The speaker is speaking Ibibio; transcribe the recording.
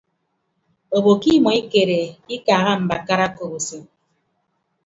Obo ke imọ ikere ikaaha mbakara akop usem.